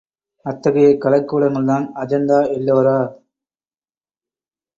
அத்தகைய கலைக் கூடங்கள்தான் அஜந்தா எல்லோரா.